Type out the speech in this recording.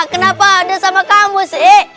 kenapa ada sama kamu sih